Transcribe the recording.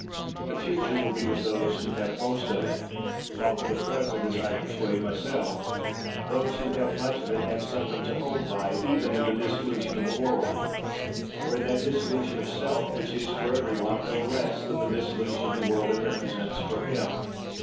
The future will be with those who have most of it; while for the present, as I persuade myself, those who have much of it, have something to hold by, even in the dissolution of a world, or in that dissolution of self, which is, for every one, no less than the dissolution of the world it represents for him.